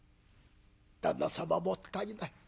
「旦那様もったいない。